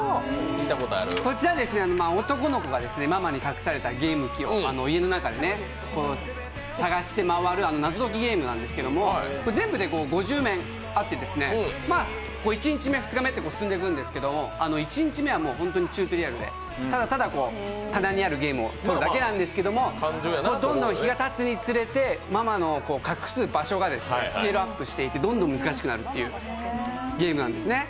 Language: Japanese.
こちら、男の子がママに隠されたゲーム機を家の中で探して回る謎解きゲームなんですけれども、全部で５０面あって、１日目、２日目と進んでいくんですけど、１日目は本当にチュートリアルで、ただただ棚にあるゲームを取るだけなんですけど、日がたつにつれてママの隠す場所がスケールアップしてどんどん難しくなるというゲームなんですね。